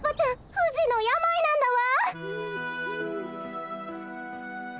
ふじのやまいなんだわ！